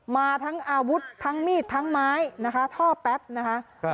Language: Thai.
มาทั้งอาวุธทั้งมีดทั้งไม้นะคะท่อแป๊บนะคะ